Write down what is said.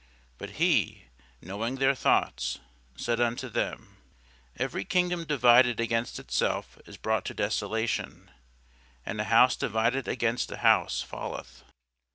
But he, knowing their thoughts, said unto them, Every kingdom divided against itself is brought to desolation; and a house divided against a house falleth.